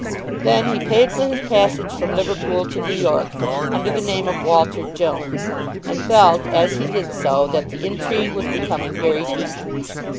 Then he paid for his passage from Liverpool to New York under the name of Walter Jones, and felt as he did so that the intrigue was becoming very deep.